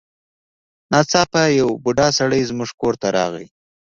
ناڅاپه یو بوډا سړی زموږ کور ته راغی.